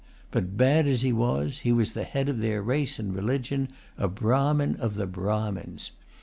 But, bad as he was, he was the head of their race and religion, a Brahmin of the Brahmins.